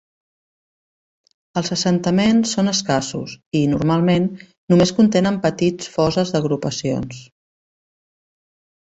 Els assentaments són escassos i, normalment, només contenen petits fosses d'agrupacions.